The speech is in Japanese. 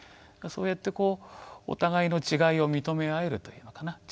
そうやってこうお互いの違いを認め合えるというのかな。